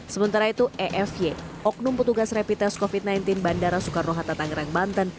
sementara itu efy oknum petugas rapid test covid sembilan belas bandara soekarno hatta tangerang banten